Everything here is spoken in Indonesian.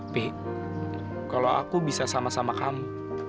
pi kalau aku bisa sama sama kamu